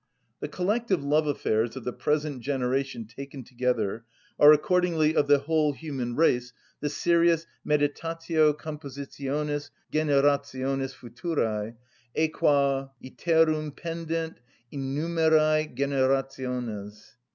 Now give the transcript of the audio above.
The collective love affairs of the present generation taken together are accordingly, of the whole human race, the serious meditatio compositionis generationis futuræ, e qua iterum pendent innumeræ generationes.